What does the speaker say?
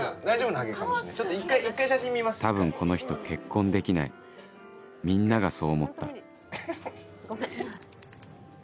多分この人結婚できないみんながそう思ったホント無理ごめん。